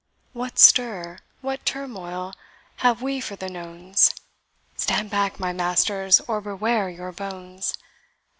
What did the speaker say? "What stir, what turmoil, have we for the nones? Stand back, my masters, or beware your bones!